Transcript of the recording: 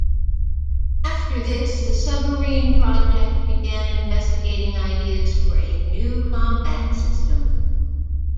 After this, the submarine project began investigating ideas for a new combat system.